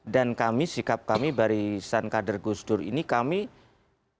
dan kami sikap kami barisan kader gusdur ini kami taat dan terhormat